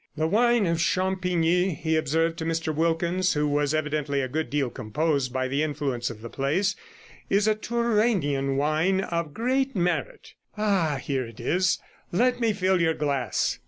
The wine of Champigny,' he observed to Mr Wilkins, who was evidently a good deal composed by the influence of the place, 'is a Tourainian wine of great merit. Ah, here it is; let me fill your glass.